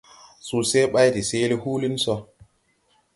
Suseʼ bày de seele huulin so.